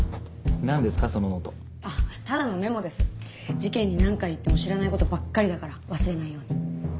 事件に何回行っても知らない事ばっかりだから忘れないように。